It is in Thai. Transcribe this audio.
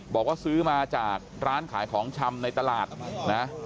บอกว่าซื้อมาจากร้านขายของชำในตลาดนะ